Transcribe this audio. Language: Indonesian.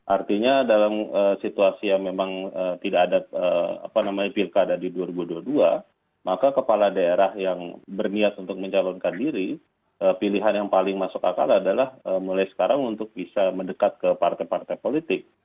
artinya dalam situasi yang memang tidak ada pilkada di dua ribu dua puluh dua maka kepala daerah yang berniat untuk mencalonkan diri pilihan yang paling masuk akal adalah mulai sekarang untuk bisa mendekat ke partai partai politik